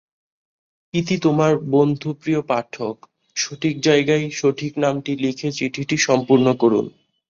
ইতি তোর বন্ধুপ্রিয় পাঠক, সঠিক জায়গায় সঠিক নামটি লিখে চিঠিটি সম্পূর্ণ করুন।